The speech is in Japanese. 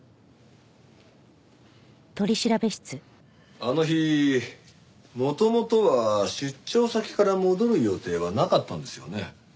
あの日元々は出張先から戻る予定はなかったんですよね？